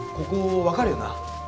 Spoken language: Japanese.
ここ分かるよな